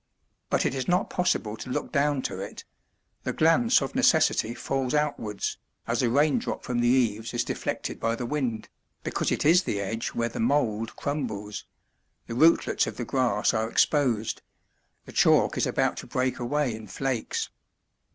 But it is not possible to look down to it the glance of necessity falls outwards, as a raindrop from the eaves is deflected by the wind, because it is the edge where the mould crumbles; the rootlets of the grass are exposed; the chalk is about to break away in flakes.